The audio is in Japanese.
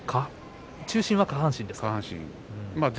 中心は下半身ですか？